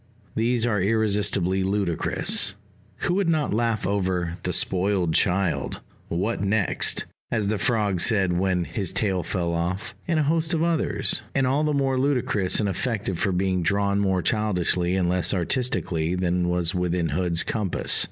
These are irresistibly ludicrous (who would not laugh over "The Spoiled Child" "What next? as the Frog said when his tail fell off" and a host of others?) and all the more ludicrous and effective for being drawn more childishly and less artistically than was within Hood's compass.